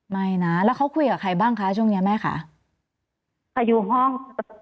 ไม่นะแล้วเขาคุยกับใครบ้างคะช่วงนี้แม่คะอยู่ห้อง